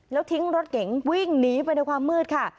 แล้วทิ้งรถเก๋งวิ่งหนีไปในความมืดค่ะ